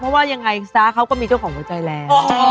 เพราะว่ายังไงซะเขาก็มีเจ้าของหัวใจแรง